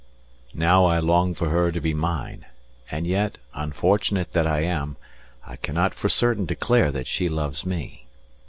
How I long for her to be mine, and yet, unfortunate that I am, I cannot for certain declare that she loves me.